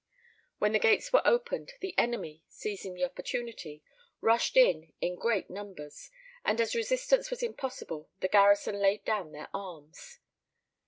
When the gates were opened the enemy, seizing the opportunity, rushed in in great numbers, and as resistance was impossible the garrison laid down their arms.